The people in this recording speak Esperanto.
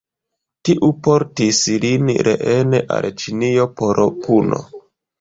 Tiu portis lin reen al Ĉinio por puno.